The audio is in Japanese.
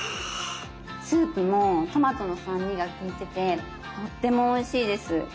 スープもトマトの酸味が利いててとってもおいしいです。